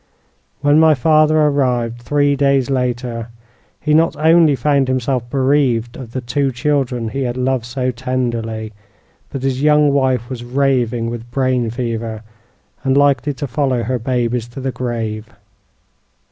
"When my father arrived, three days later, he not only found himself bereaved of the two children he had loved so tenderly, but his young wife was raving with brain fever, and likely to follow her babies to the grave.